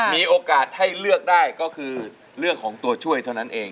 มีโอกาสให้เลือกได้ก็คือเรื่องของตัวช่วยเท่านั้นเอง